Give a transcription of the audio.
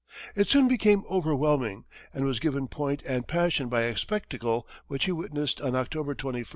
It soon became overwhelming, and was given point and passion by a spectacle which he witnessed on October 21, 1835.